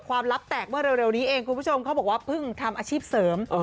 ลับแตกเมื่อเร็วนี้เองคุณผู้ชมเขาบอกว่าเพิ่งทำอาชีพเสริม